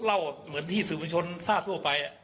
ก็เล่าเหมือนที่สื่อมูลชนทราบทั่วไป